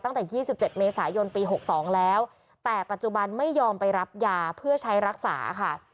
ตั้งแต่๒๗เมษายนปี๖๒แล้วแต่ปัจจุบันไม่ยอมไปรับยาเพื่อใช้รักษาค่ะ